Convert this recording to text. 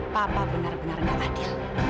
papa benar benar nggak adil